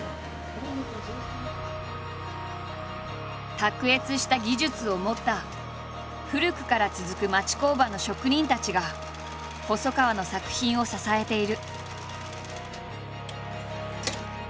卓越した技術を持った古くから続く町工場の職人たちが細川の作品を支えている。